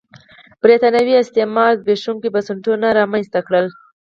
برېټانوي استعمار زبېښونکي بنسټونه رامنځته کړل.